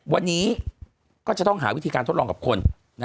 วันนี้ก็จะต้องหาวิธีการทดลองกับคน